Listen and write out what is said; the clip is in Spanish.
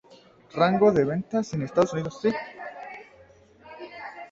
Rango de Ventas en Estados Unidos.